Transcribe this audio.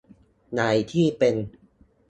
หลายที่เป็น